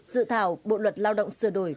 dự thảo bộ luật lao động sửa đổi